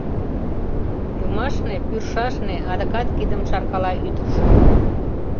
— Юмашне-пӱршашне... — адакат кидым шаркала ӱдыржӧ.